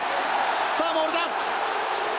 さあモールだ。